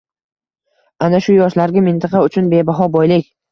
Ana shu yoshlarga mintaqa uchun bebaho boylik